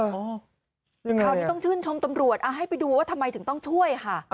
คราวนี้ต้องชื่นชมตำรวจให้ไปดูว่าทำไมถึงต้องช่วยค่ะ